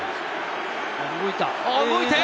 動いた！